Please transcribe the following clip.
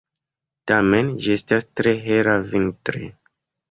Tamen ĝi estas tre hela vintre.